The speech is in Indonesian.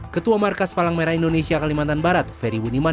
ketua markas palang merah indonesia kalimantan barat ferry budiman